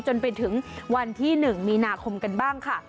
จนถึงวันที่๑มีนาคมกันบ้างค่ะ